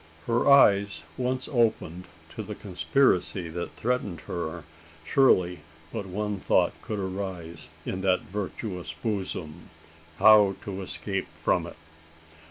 Her eyes once opened to the conspiracy that threatened her, surely but one thought could arise in that virtuous bosom how to escape from it?